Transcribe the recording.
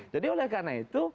jadi oleh karena itu